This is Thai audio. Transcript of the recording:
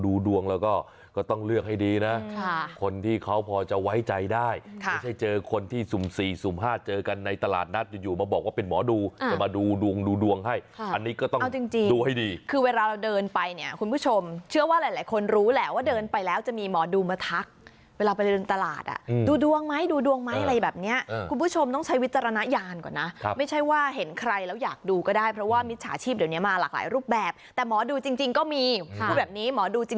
ดูดวงแล้วก็ก็ต้องเลือกให้ดีนะค่ะคนที่เขาพอจะไว้ใจได้ค่ะไม่ใช่เจอคนที่สุ่มสี่สุ่มห้าเจอกันในตลาดนัดอยู่มาบอกว่าเป็นหมอดูจะมาดูดวงดูดวงให้อันนี้ก็ต้องดูให้ดีคือเวลาเราเดินไปเนี่ยคุณผู้ชมเชื่อว่าหลายคนรู้แหละว่าเดินไปแล้วจะมีหมอดูมาทักเวลาไปเดินตลาดอ่ะดูดวงไหมดูดวงไหมอะไรแบบเนี้